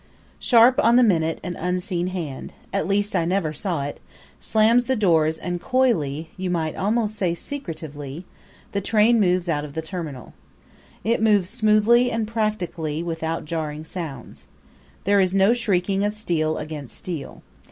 Sharp on the minute an unseen hand at least I never saw it slams the doors and coyly you might almost say secretively the train moves out of the terminal. It moves smoothly and practically without jarring sounds. There is no shrieking of steel against steel.